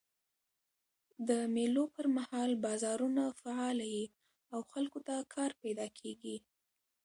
د مېلو پر مهال بازارونه فعاله يي او خلکو ته کار پیدا کېږي.